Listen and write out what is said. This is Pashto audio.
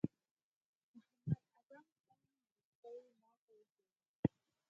محمد اعظم خان وروستۍ ماته وخوړه.